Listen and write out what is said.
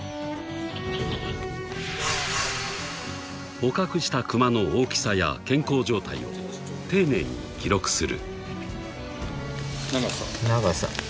［捕獲したクマの大きさや健康状態を丁寧に記録する］